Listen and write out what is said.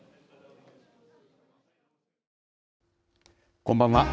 こんばんは。